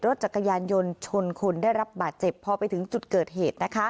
รถจักรยานยนต์ชนคนได้รับบาดเจ็บพอไปถึงจุดเกิดเหตุนะคะ